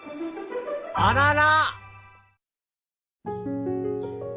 あらら！